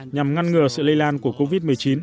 nhằm ngăn ngừa sự lây lan của covid một mươi chín